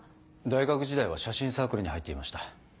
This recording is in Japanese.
大学時代は写真サークルに入っていました。